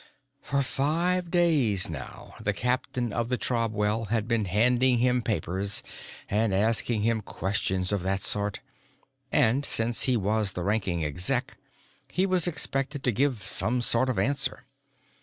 For five days now, the captain of the Trobwell had been handing him papers and asking him questions of that sort. And, since he was the ranking Exec, he was expected to give some sort of answer.